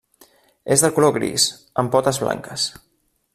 És de color gris, amb potes blanques.